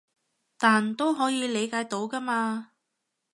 但都可以理解到㗎嘛